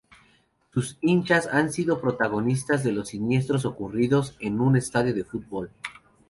Sus hinchas han sido protagonistas de dos siniestros ocurridos en un estadio de fútbol.